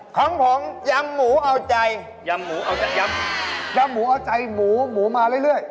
ของผมยำหมูเอาใจยำหมูเอาใจยำยำหมูเอาใจหมูหมูมาเรื่อย